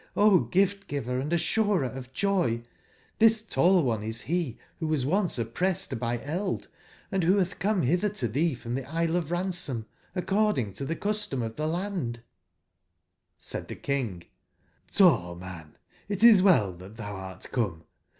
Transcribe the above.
O Gift/giver and assurerof joy t this tall one is he who was once oppressed by eld, and who hath come hither to thee from the Isle of Ransom, ac cording to the custom of the land/' Said the King: Oll man, itiswell that thou artcome.